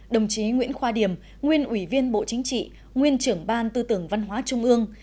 đồng chí nguyễn khoa điểm nguyên ủy viên bộ chính trị nguyên trưởng ban tư tưởng văn hóa trung ương